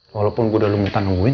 walaupun gue udah lumitan nungguin